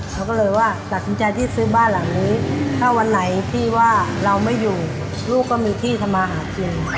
เขาก็เลยว่าตัดสินใจที่ซื้อบ้านหลังนี้ถ้าวันไหนที่ว่าเราไม่อยู่ลูกก็มีที่ทำมาหากิน